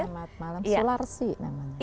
selamat malam sularsi namanya